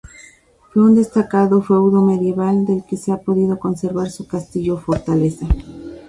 Fue un destacado feudo medieval del que se ha podido conservar su castillo-fortaleza.